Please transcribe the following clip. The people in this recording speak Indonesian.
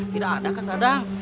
tidak ada kang dadang